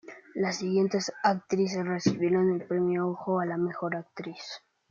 Las siguientes actrices recibieron el premio Ojo a la Mejor Actriz.